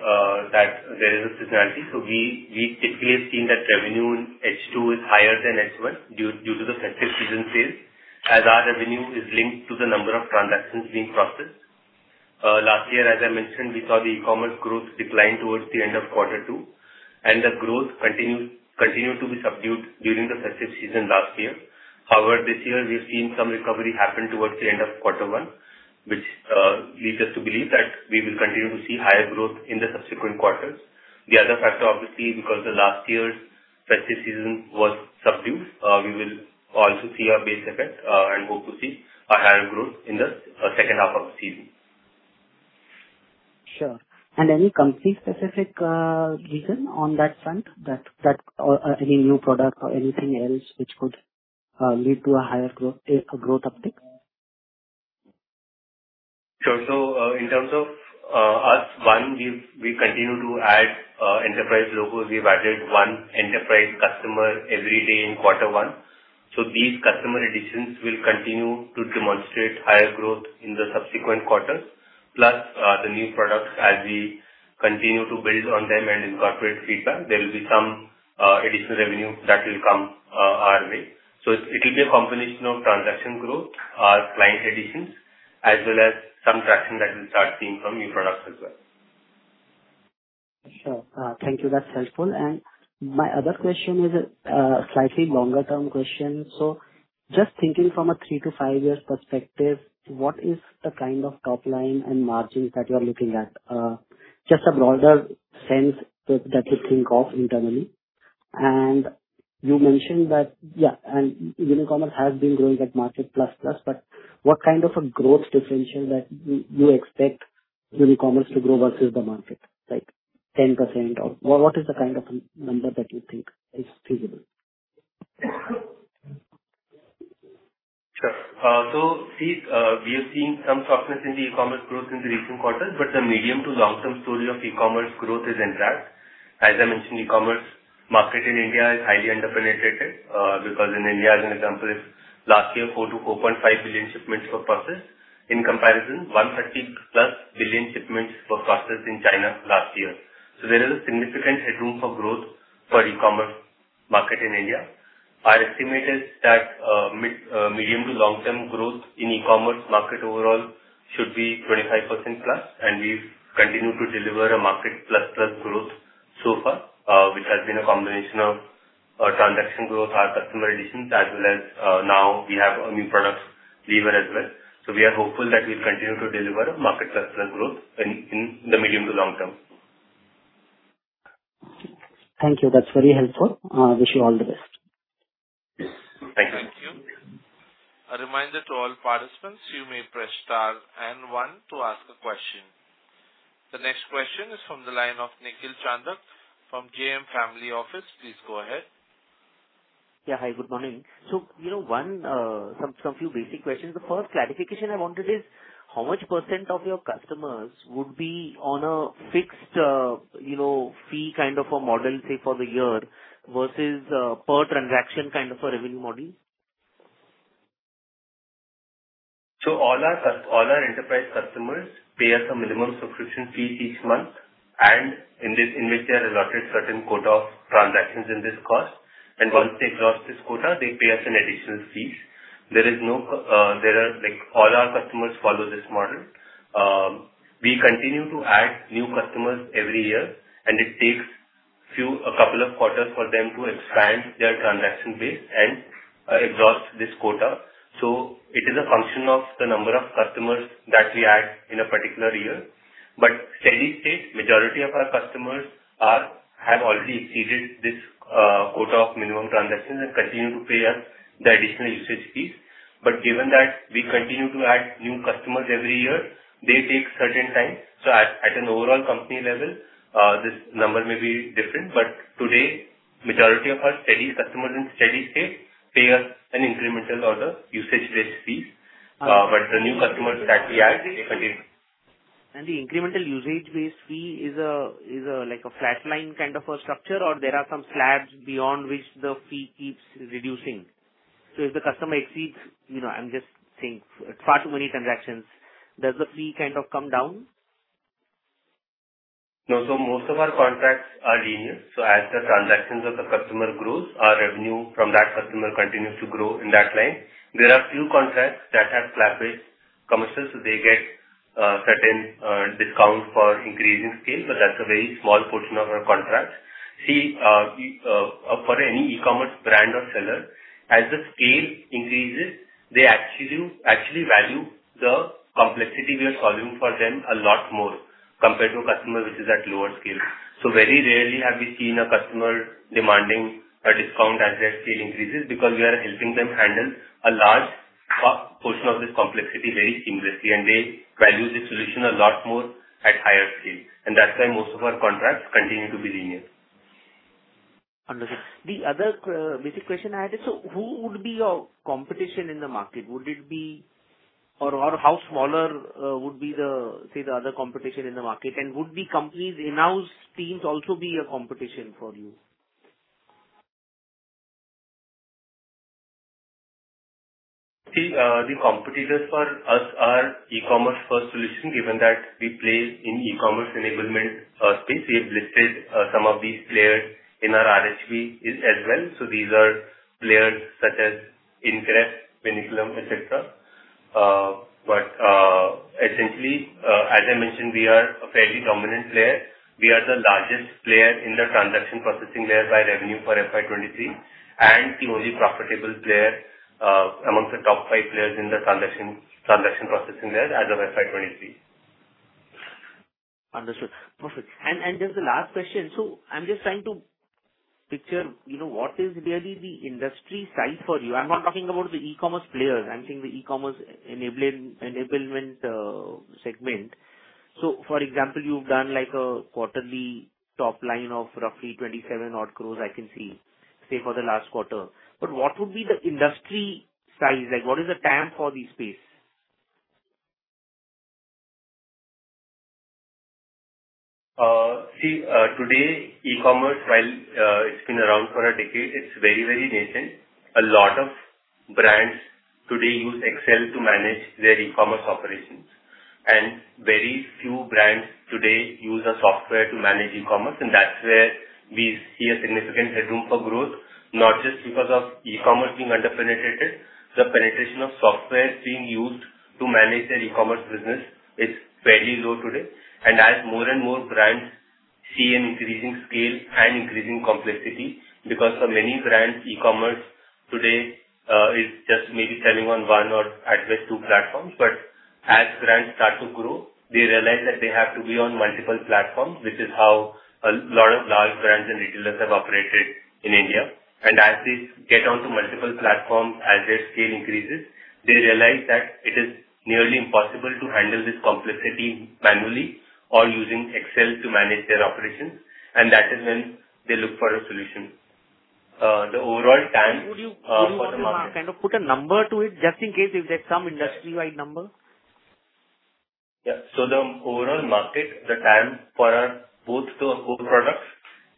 that there is a seasonality, so we typically have seen that revenue in H2 is higher than H1 due to the festive season sales, as our revenue is linked to the number of transactions being processed. Last year, as I mentioned, we saw the e-commerce growth decline towards the end of quarter two, and the growth continued to be subdued during the festive season last year. However, this year we've seen some recovery happen towards the end of quarter one, which leads us to believe that we will continue to see higher growth in the subsequent quarters. The other factor, obviously, because the last year's festive season was subdued, we will also see a base effect, and hope to see a higher growth in the second half of the season. Sure. And any company-specific reason on that front that or any new product or anything else which could lead to a higher growth uptick? Sure. So, in terms of Q1, we continue to add enterprise logos. We've added one enterprise customer every day in quarter one. So these customer additions will continue to demonstrate higher growth in the subsequent quarters, plus the new products as we continue to build on them and incorporate feedback. There will be some additional revenue that will come our way. So it will be a combination of transaction growth, client additions, as well as some traction that we'll start seeing from new products as well. Sure. Thank you, that's helpful. And my other question is, slightly longer term question. So just thinking from a three to five years perspective, what is the kind of top line and margins that you are looking at? Just a broader sense that you think of internally. And you mentioned that, yeah, and e-commerce has been growing at market plus, plus, but what kind of a growth differential that you expect e-commerce to grow versus the market, like 10% or what, what is the kind of m- number that you think is feasible? Sure. So these, we have seen some softness in the e-commerce growth in the recent quarters, but the medium to long term story of e-commerce growth is intact. As I mentioned, e-commerce market in India is highly under-penetrated, because in India, as an example, if last year, four to four point five billion shipments were processed. In comparison, one thirty plus billion shipments were processed in China last year. So there is a significant headroom for growth for e-commerce market in India. I estimated that, mid, medium to long term growth in e-commerce market overall should be 25% plus, and we've continued to deliver a market plus, plus growth so far, which has been a combination of, transaction growth, our customer additions, as well as, now we have a new product lever as well. We are hopeful that we'll continue to deliver market plus, plus growth in the medium to long term. Thank you. That's very helpful. Wish you all the best. Yes. Thank you. Thank you. A reminder to all participants, you may press star and one to ask a question. The next question is from the line of Nikhil Chandak from JM Financial Family Office. Please go ahead. Yeah. Hi, good morning. So, you know, one, some few basic questions. The first clarification I wanted is: how much percent of your customers would be on a fixed, you know, fee kind of a model, say, for the year, versus, per transaction kind of a revenue model? All our enterprise customers pay us a minimum subscription fee each month, in which they are allotted certain quota of transactions in this cost. Got it. And once they exhaust this quota, they pay us an additional fees. There are, like, all our customers follow this model. We continue to add new customers every year, and it takes a couple of quarters for them to expand their transaction base and exhaust this quota. So it is a function of the number of customers that we add in a particular year. But steady state, majority of our customers have already exceeded this quota of minimum transactions and continue to pay us the additional usage fees. But given that we continue to add new customers every year, they take certain time. At an overall company level, this number may be different, but today, majority of our steady customers in steady state pay us an incremental or the usage-based fees, but the new customers that we add again- The incremental usage-based fee is a like a flat line kind of a structure, or there are some slabs beyond which the fee keeps reducing? If the customer exceeds, you know, I'm just thinking, far too many transactions, does the fee kind of come down? No. So most of our contracts are linear. So as the transactions of the customer grows, our revenue from that customer continues to grow in that line. There are few contracts that have flat rate commissions, so they get certain discount for increasing scale, but that's a very small portion of our contracts. See, for any e-commerce brand or seller, as the scale increases, they actually value the complexity we are solving for them a lot more, compared to a customer which is at lower scale. So very rarely have we seen a customer demanding a discount as their scale increases, because we are helping them handle a large portion of this complexity very seamlessly, and they value the solution a lot more at higher scale, and that's why most of our contracts continue to be linear. Understood. The other basic question I had is: so who would be your competition in the market? Would it be Or how smaller would be the, say, the other competition in the market? And would the companies in-house teams also be a competition for you? See, the competitors for us are e-commerce first solution, given that we play in e-commerce enablement space. We have listed some of these players in our RHP as well. So these are players such as Increff, Vinculum, et cetera. But essentially, as I mentioned, we are a fairly dominant player. We are the largest player in the transaction processing layer by revenue for FY 2023, and the only profitable player amongst the top five players in the transaction processing layer as of FY 2023. Understood. Perfect. And just the last question. So I'm just trying to picture, you know, what is really the industry size for you? I'm not talking about the e-commerce players, I'm saying the e-commerce enabling, enablement, segment. So, for example, you've done, like, a quarterly top line of roughly 27 odd crores, I can see, say, for the last quarter. But what would be the industry size? Like, what is the TAM for this space? See, today, e-commerce, while it's been around for a decade, it's very, very nascent. A lot of brands today use Excel to manage their e-commerce operations, and very few brands today use a software to manage e-commerce, and that's where we see a significant headroom for growth, not just because of e-commerce being under-penetrated. The penetration of software being used to manage their e-commerce business is fairly low today, and as more and more brands see an increasing scale and increasing complexity, because for many brands, e-commerce today is just maybe selling on one or at best two platforms, but as brands start to grow, they realize that they have to be on multiple platforms, which is how a lot of large brands and retailers have operated in India. And as they get onto multiple platforms, as their scale increases, they realize that it is nearly impossible to handle this complexity manually or using Excel to manage their operations, and that is when they look for a solution. The overall TAM for the market- Would you kind of put a number to it, just in case if there's some industry-wide number? Yeah. So the overall market, the TAM for our both the core products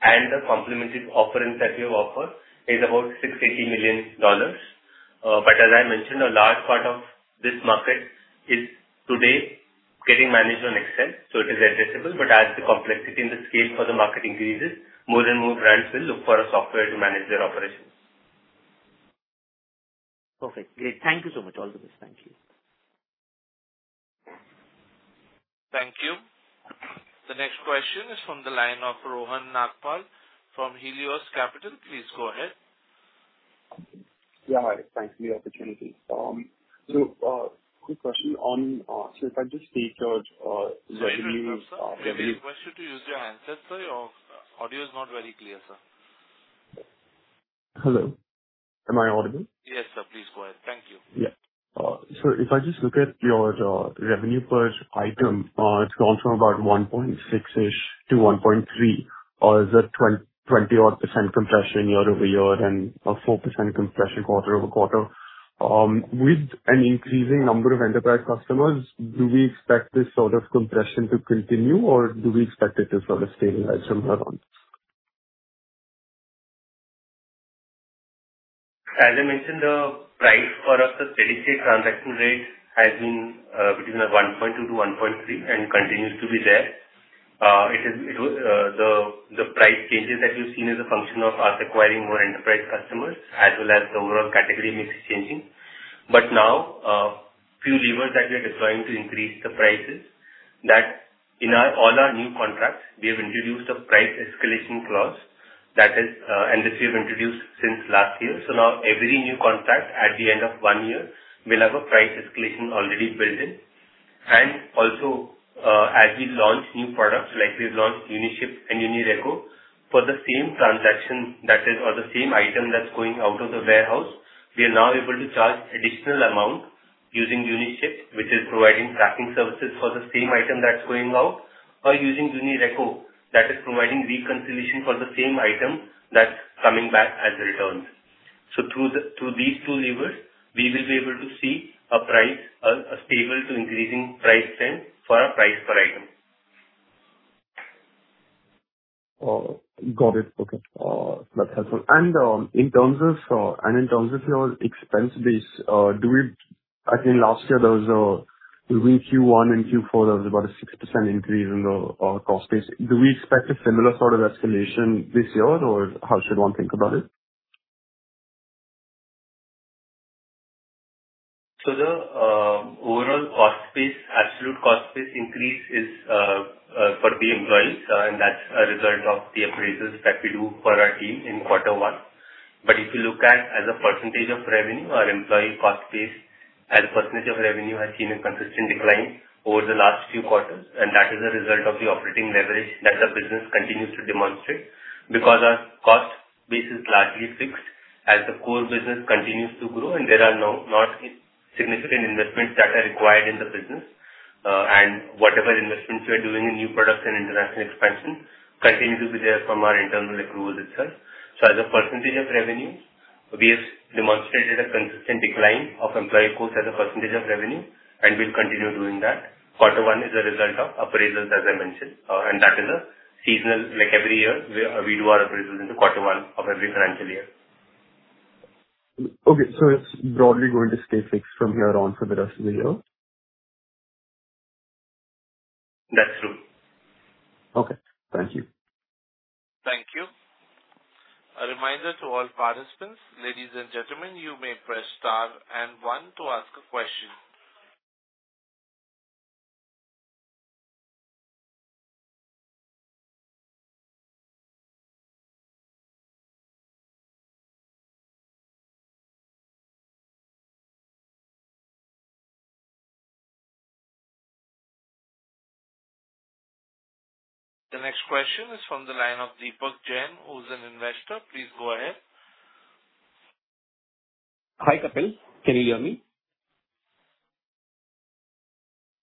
and the complementary offerings that we offer is about $6 million-$8 million. But as I mentioned, a large part of this market is today getting managed on Excel, so it is addressable. But as the complexity and the scale for the market increases, more and more brands will look for a software to manage their operations. Perfect. Great. Thank you so much. All the best. Thank you. Thank you. The next question is from the line of Rohan Nagpal from Helios Capital. Please go ahead. Yeah, hi. Thanks for the opportunity. So, quick question on if I just take your revenue, Sorry to interrupt, sir. May I request you to use your handset, sir? Your audio is not very clear, sir. Hello, am I audible? Yes, sir. Please go ahead. Thank you. Yeah. So if I just look at your revenue per item, it's gone from about one point six-ish to one point three, or is it 20% compression year-over-year and a 4% compression quarter over quarter. With an increasing number of enterprise customers, do we expect this sort of compression to continue, or do we expect it to sort of stabilize somewhere around? As I mentioned, the price for us, the per transaction rate, has been between 1.2-1.3 and continues to be there. It was the price changes that you've seen is a function of us acquiring more enterprise customers, as well as the overall category mix changing. But now, few levers that we are deploying to increase the prices, that in all our new contracts, we have introduced a price escalation clause that is, and this we have introduced since last year. So now every new contract at the end of one year will have a price escalation already built in. And also, as we launch new products, like we've launched UniShip and UniReco, for the same transaction, that is, or the same item that's going out of the warehouse, we are now able to charge additional amount using UniShip, which is providing tracking services for the same item that's going out, or using UniReco, that is providing reconciliation for the same item that's coming back as returns. So through these two levers, we will be able to see a stable to increasing price trend for our price per item. Got it. Okay. That's helpful. And in terms of your expense base, do we I think last year there was a between Q1 and Q4, there was about a 6% increase in the our cost base. Do we expect a similar sort of escalation this year, or how should one think about it? So the overall cost base, absolute cost base increase is for the employees, and that's a result of the appraisals that we do for our team in quarter one. But if you look at as a percentage of revenue, our employee cost base as a percentage of revenue has seen a consistent decline over the last few quarters, and that is a result of the operating leverage that the business continues to demonstrate. Because our cost base is largely fixed as the core business continues to grow, and there are not significant investments that are required in the business. And whatever investments we are doing in new products and international expansion continue to be there from our internal accruals itself. As a percentage of revenue, we have demonstrated a consistent decline of employee costs as a percentage of revenue, and we'll continue doing that. Quarter one is a result of appraisals, as I mentioned, and that is a seasonal, like every year, we do our appraisals in the quarter one of every financial year. Okay. So it's broadly going to stay fixed from here on for the rest of the year? That's true. Okay. Thank you. Thank you. A reminder to all participants, ladies and gentlemen, you may press Star and One to ask a question. The next question is from the line of Deepak Jain, who's an investor. Please go ahead. Hi, Kapil. Can you hear me?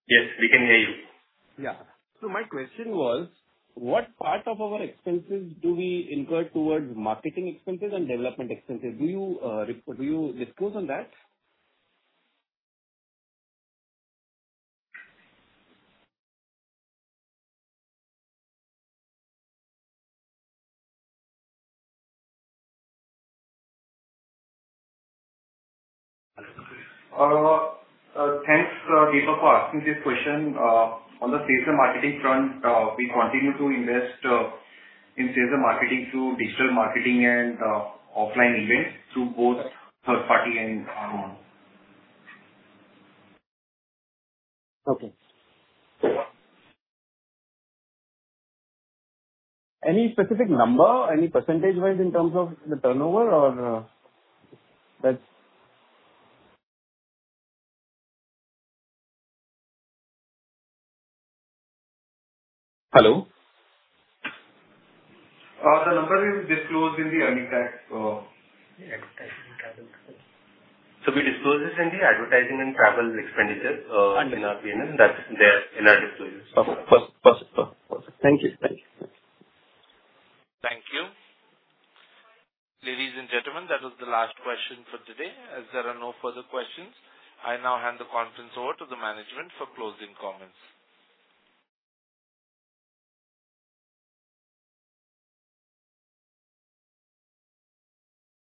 Yes, we can hear you. Yeah. So my question was: What part of our expenses do we incur towards marketing expenses and development expenses? Do you disclose on that? Thanks, Deepak, for asking this question. On the sales and marketing front, we continue to invest in sales and marketing through digital marketing and offline events through both third party and our own. Okay. Any specific number, any percentage-wise in terms of the turnover or, that's? Hello? The number is disclosed in the earnings guide, so we disclose this in the advertising and travel expenditure, in our P&L. That's there in our disclosures. Okay, perfect. Perfect. Thank you. Thank you. Thank you. Ladies and gentlemen, that was the last question for today. As there are no further questions, I now hand the conference over to the management for closing comments.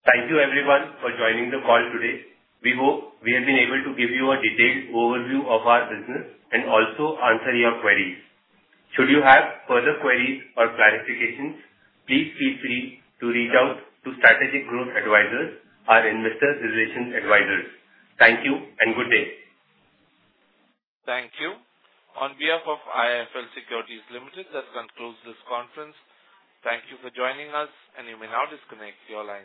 Thank you, everyone, for joining the call today. We hope we have been able to give you a detailed overview of our business and also answer your queries. Should you have further queries or clarifications, please feel free to reach out to Strategic Growth Advisors, our investor relations advisors. Thank you and good day. Thank you. On behalf of IIFL Securities Limited, that concludes this conference. Thank you for joining us, and you may now disconnect your lines.